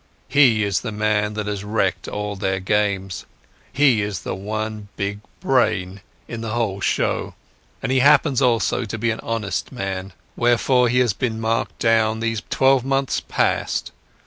"He is the man that has wrecked all their games. He is the one big brain in the whole show, and he happens also to be an honest man. Therefore he has been marked down these twelve months past.